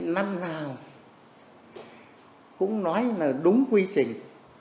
năm nào cũng nói là đúng quy trình